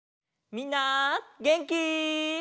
みんなげんき？